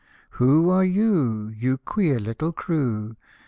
" Who are you, you queer little crew